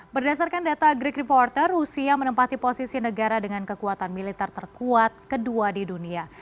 berdasarkan data greek reporter rusia menempati posisi negara dengan kekuatan militer terkuat kedua di dunia